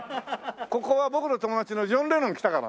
ここは僕の友達のジョン・レノン来たかな？